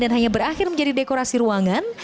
dan hanya berakhir menjadi dekorasi ruangan